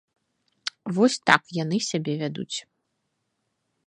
Вось так яны сябе вядуць.